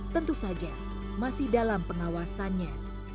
tentu saja masih dalam pengawasannya